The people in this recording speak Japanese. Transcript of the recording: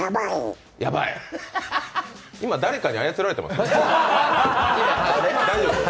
今、誰かに操られてます？